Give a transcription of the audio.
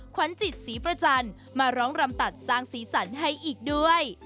ควันจิตศรีประจันมาร้องรำตัดสร้างศรีสรรค์ให้อีกด้วย